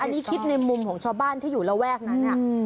อันนี้คิดในมุมของชาวบ้านที่อยู่ระแวกนั้น